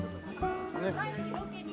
前にロケに来て。